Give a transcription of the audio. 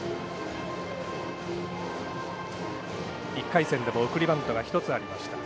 １回戦でも送りバントが１つありました。